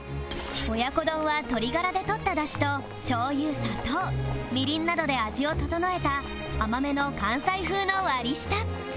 親子丼は鶏ガラで取っただしとしょう油砂糖みりんなどで味を調えた甘めの関西風の割り下